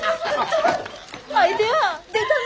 アイデア出だね。